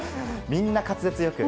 みんな滑舌よく。